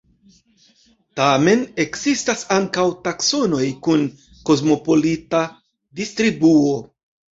Tamen ekzistas ankaŭ taksonoj kun kosmopolita distribuo.